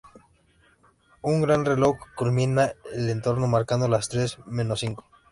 Un gran reloj culmina el entorno, marcando las tres menos cinco.